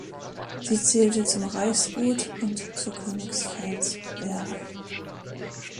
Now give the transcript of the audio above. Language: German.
Sie zählte zum Reichsgut und zur Königspfalz Werla.